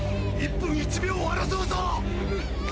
１分１秒を争うぞ！